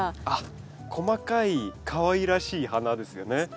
あっ細かいかわいらしい花ですよね。